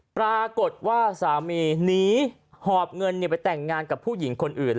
ปรากฏว่าสามีหนีหอบเงินไปแต่งงานกับผู้หญิงคนอื่น